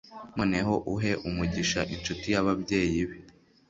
noneho uhe umugisha inshuti y'ababyeyi be